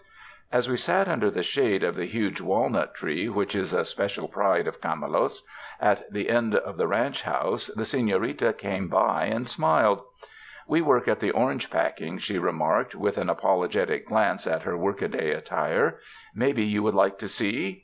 As we sat under the shade of the huge walnut tree 108 SPRING DAYS IN A CARRIAGE which is a special pride of Camiilos, at the end of the ranch house, the Sefiorita came by and smiled. *'We work at the orange packing," she remarked, with an apologetic glance at her workaday attire, "maybe you would like to see?